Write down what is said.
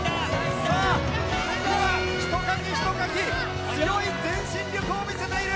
さあ、今、ひとかきひとかき、強い前進力を見せている。